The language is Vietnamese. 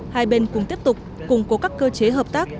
hai bên cùng tiếp tục củng cố các cơ chế hợp tác